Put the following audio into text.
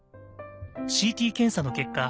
ＣＴ検査の結果